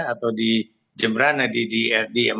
atau di jemberana di